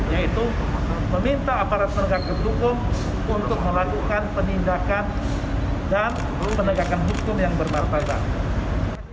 yaitu meminta aparat penegak hukum untuk melakukan penindakan dan penegakan hukum yang bermartabat